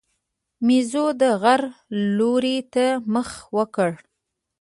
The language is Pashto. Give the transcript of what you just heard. مېزو د غره لوري ته مخه وکړه.